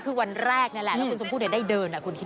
คือวันแรกนี่แหละแล้วคุณชมพูได้เดินคุณคิด